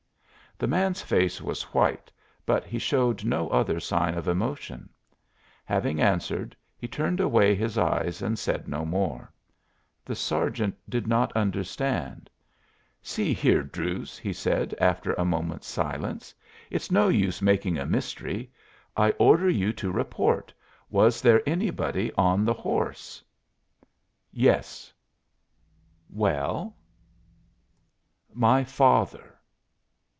The man's face was white, but he showed no other sign of emotion. Having answered, he turned away his eyes and said no more. The sergeant did not understand. "See here, Druse," he said, after a moment's silence, "it's no use making a mystery. I order you to report. Was there anybody on the horse?" "Yes." "Well?" "My father."